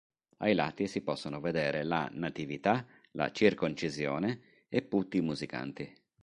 Ai lati si possono vedere la "Natività", la "Circoncisione" e putti musicanti.